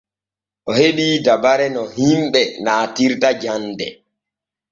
O heɓii dabare no himɓe naatirta jande.